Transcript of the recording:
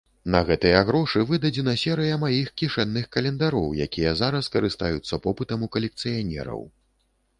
На гэтыя грошы выдадзена серыя маіх кішэнных календароў, якія зараз карыстаюцца попытам у калекцыянераў.